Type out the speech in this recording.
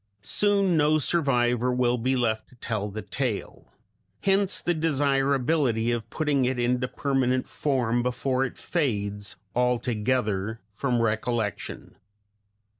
Soon no survivor will be left to tell the tale; hence the desirability of putting it into permanent form before it fades altogether from recollection.